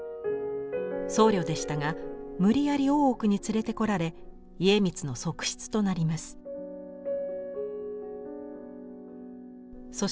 僧侶でしたが無理やり大奥に連れてこられ家光の側室となります。